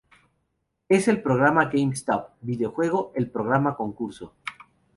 Es el programa de GameSpot "videojuego, el programa concurso".